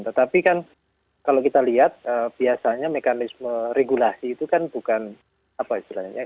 tetapi kan kalau kita lihat biasanya mekanisme regulasi itu kan bukan apa istilahnya